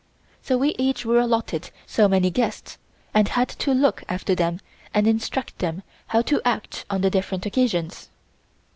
So we each were allotted so many guests and had to look after them and instruct them how to act on the different occasions.